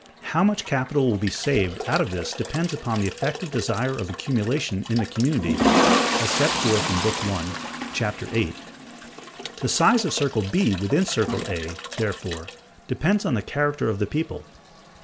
How much capital will be saved out of this depends upon the effective desire of accumulation in the community (as set forth in Book I, Chap. VIII). The size of circle B within circle A, therefore, depends on the character of the people.